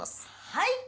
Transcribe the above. はい！